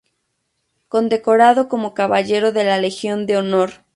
Condecorado como Caballero de la Legión de Honor.